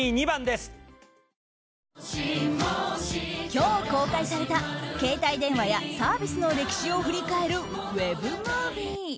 今日公開された、携帯電話やサービスの歴史を振り返るウェブムービー。